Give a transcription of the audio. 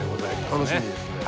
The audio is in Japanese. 楽しみですね。